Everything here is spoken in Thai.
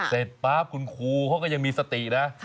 เสร็จปั๊บคุณครูเขาก็ยังมีสตินะ